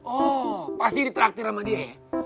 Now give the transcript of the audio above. oh pasti diteraktir sama dia ya